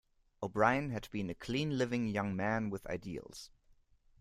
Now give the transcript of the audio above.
O'Brien had been a clean living young man with ideals.